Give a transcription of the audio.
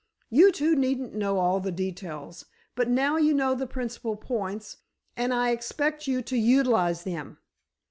You two needn't know all the details, but now you know the principal points, and I expect you to utilize them."